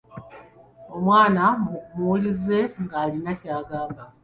Omwana muwulirize ng’alina ky’agamba.